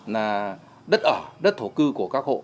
là đất ở đất thổ cư của các hộ